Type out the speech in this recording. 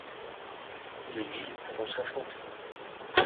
Les villes pourront s'affronter.